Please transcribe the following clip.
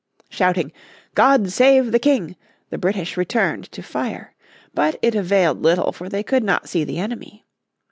Shouting "God save the King" the British returned to fire. But it availed little, for they could not see the enemy.